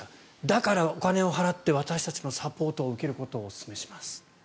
だからお金を払って私たちのサポートを受けることをおすすめします。